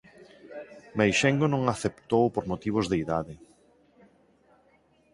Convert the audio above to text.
Meixengo non aceptou por motivos de idade.